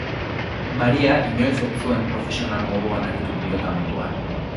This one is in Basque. Maria inoiz ez zuen profesional moduan aritu pilota munduan.